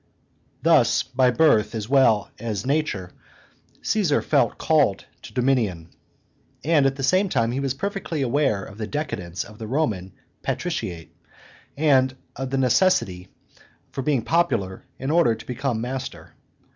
Thus, by birth as well as nature, Caesar felt called to dominion; and at the same time he was perfectly aware of the decadence of the Roman patriciate, and of the necessity for being popular in order to become master.